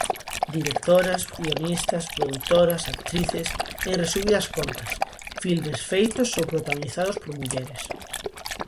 Directoras, guionistas, produtoras, actrices... en resumidas contas filmes feitos ou protagonizados por mulleres.